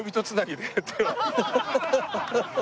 ハハハハ。